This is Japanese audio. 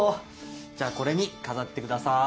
じゃあこれに飾ってください。